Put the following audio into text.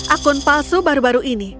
akun palsu baru baru ini